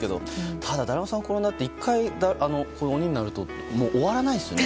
ただ、だるまさんが転んだって１回鬼になると終わらないですよね。